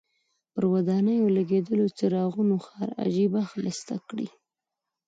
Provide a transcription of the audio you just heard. پر ودانیو لګېدلو څراغونو ښار عجیبه ښایسته کړی.